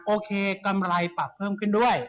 กำไรปรับเพิ่มขึ้นด้วย